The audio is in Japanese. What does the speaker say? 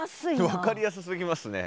分かりやすすぎますね。